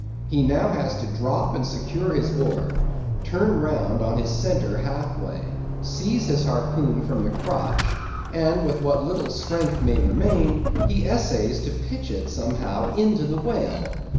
He now has to drop and secure his oar, turn round on his centre half way, seize his harpoon from the crotch, and with what little strength may remain, he essays to pitch it somehow into the whale.